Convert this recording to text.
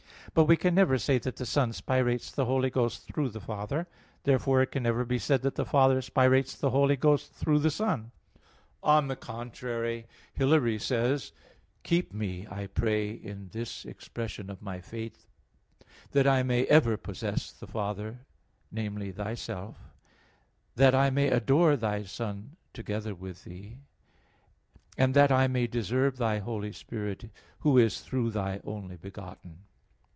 But we can never say that the Son spirates the Holy Ghost through the Father. Therefore it can never be said that the Father spirates the Holy Ghost through the Son. On the contrary, Hilary says (De Trin. xii): "Keep me, I pray, in this expression of my faith, that I may ever possess the Father namely Thyself: that I may adore Thy Son together with Thee: and that I may deserve Thy Holy Spirit, who is through Thy Only Begotten."